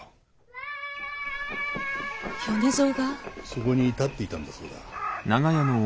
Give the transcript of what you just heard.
そこに立っていたんだそうだ。